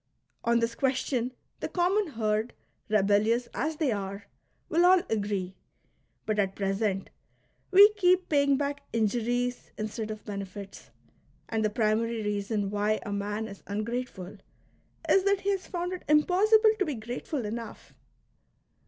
On this question the common herd, rebellious as they are, will all agree, but at present we keep paying back injuries instead of benefits, and the primary reason why a man is ungrateful is that he has found it impossible to be grateful enough.